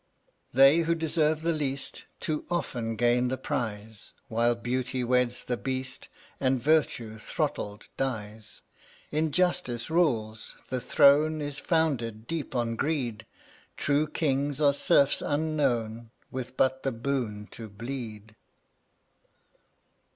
128 They who deserve the least Too often gain the prize, While Beauty weds the Beast And Virtue, throttled, dies. Injustice rules; the throne Is founded deep on greed; True kings are serfs unknown With but the boon to bleed.